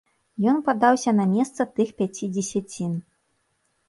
Ён падаўся на месца тых пяці дзесяцін.